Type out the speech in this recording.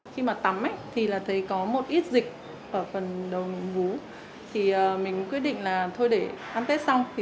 khi mà tắm thì thấy có một ít dịch ở phần đầu vú thì mình quyết định là thôi để ăn tết xong thì